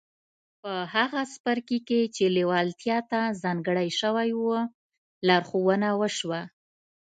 په هغه څپرکي کې چې لېوالتیا ته ځانګړی شوی و لارښوونه وشوه.